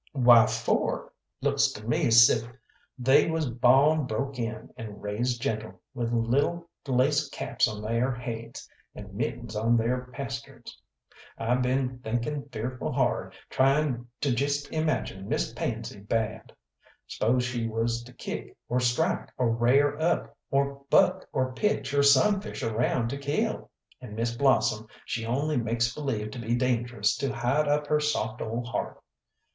"Why for?" "Looks to me 'sif they was bawn broke in, and raised gentle, with lil' lace caps on they'r haids, and mittens on they'r pasterns. I been thinking fearful hard, tryin' to just imagine Miss Pansy bad; spose she was to kick, or strike, or rair up, or buck, or pitch, or sunfish around to kill! And Miss Blossom, she only makes believe to be dangerous to hide up her soft ole heart.